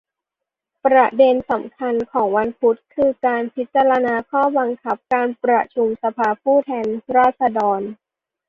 ประเด็นสำคัญของวันพุธ คือ การพิจารณาข้อบังคับการประชุมสภาผู้แทนราษฎร